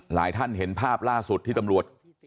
หลายท่านเห็นภาพล่าสุดที่ตำรวจ